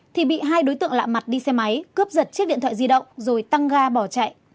thì bị hai đối tượng lạ mặt đi xe máy cướp giật chiếc điện thoại di động rồi tăng ga bỏ chạy